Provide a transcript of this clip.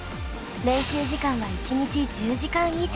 練習時間は１日１０時間以上。